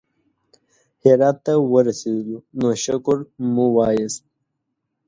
هرات ته ورسېدلو نو شکر مو وایست.